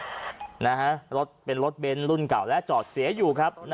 รถเป็นรถเบนท์รุ่นเก่าและจอดเสียอยู่ครับ